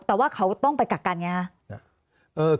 แต่ว่าเขาต้องไปกักกันไงคะ